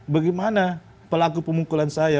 bagaimana pelaku pemukulan saya